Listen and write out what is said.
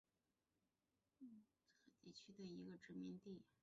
这个是英格兰在加勒比海地区的第一个殖民地。